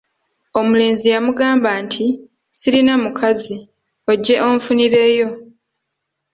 Omulenzi yamugamba nti, “sirina mukazi, ojje onfunireyo”.